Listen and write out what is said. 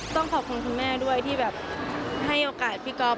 ต้องขอบคุณคุณแม่ด้วยที่แบบให้โอกาสพี่ก๊อฟ